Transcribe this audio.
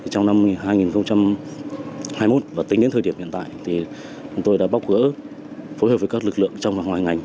trong năm hai nghìn hai mươi một và tính đến thời điểm hiện tại tôi đã phối hợp với các lực lượng trong và ngoài ngành